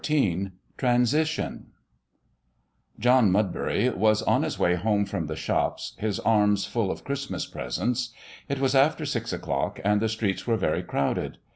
XIV TRANSITION John Mudbury was on his way home from the shops, his arms full of Christmas presents. It was after six o'clock and the streets were very crowded.